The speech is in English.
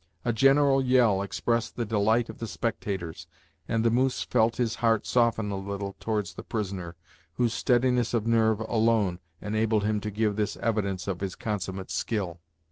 A general yell expressed the delight of the spectators, and the Moose felt his heart soften a little towards the prisoner, whose steadiness of nerve alone enabled him to give this evidence of his consummate skill.